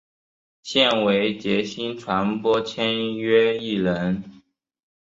现为杰星传播签约艺人。